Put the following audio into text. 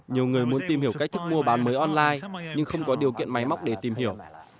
nhiều người muốn tìm hiểu cách thức mua bán mới online nhưng không có điều kiện máy móc để tìm hiểu